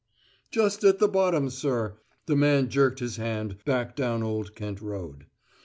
"Just at the bottom, sir" the man jerked his hand back down Old Kent Road.